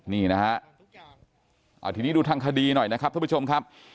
นี่นะฮะทีนี้ดูทางคดีหน่อยนะครับท่านผู้ชมครับ